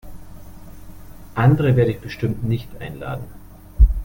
Andre werde ich bestimmt nicht einladen.